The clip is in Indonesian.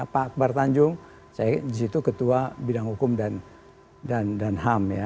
pak akbar tanjung saya di situ ketua bidang hukum dan ham ya